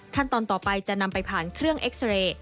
ขั้นตอนต่อไปจะนำไปผ่านเครื่องเอ็กซาเรย์